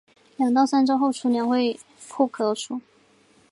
两到三周后雏鸟就会破壳而出。